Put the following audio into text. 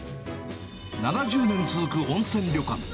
７０年続く温泉旅館。